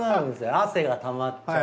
汗がたまっちゃう。